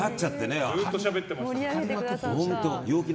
ずっとしゃべってました。